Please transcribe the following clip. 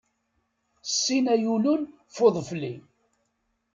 Ṣṣin ay ulun f uḍefli.